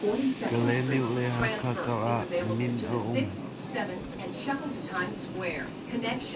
Kalemyo le Hakha kar ah min a um.